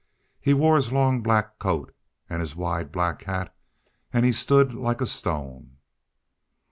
He wore his long black coat an' his wide black hat, an' he stood like a stone.